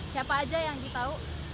siapa aja yang ditahu